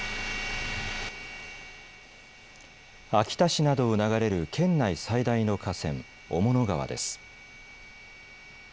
秋田市などを流れる県内最大の河川、雄物川です。